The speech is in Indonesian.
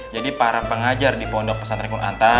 jadi para pengajar di pondok pesantren kunanta